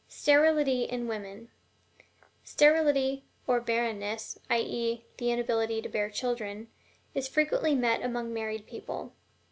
STERILITY IN WOMEN. Sterility, or barrenness, i. e., the inability to bear children, is frequently met with among married people.